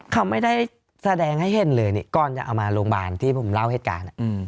เขาไม่ได้แสดงให้เห็นเลยนี่ก่อนจะเอามาโรงพยาบาลที่ผมเล่าเหตุการณ์